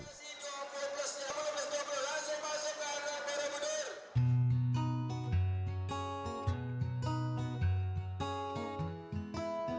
tetapi mereka tidak asing dengan diskon